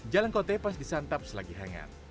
jalangkote pas disantap selagi hangat